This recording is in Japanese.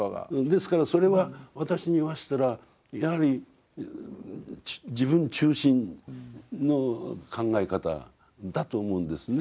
ですからそれは私に言わせたらやはり自分中心の考え方だと思うんですね。